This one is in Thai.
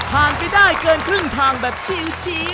ไปได้เกินครึ่งทางแบบชี้